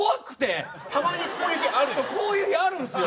そうこういう日あるんすよ